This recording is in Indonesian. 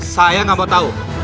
saya nggak mau tahu